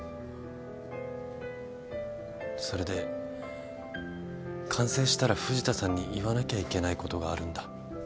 それで完成したら藤田さんに言わなきゃいけないことがあるんだ。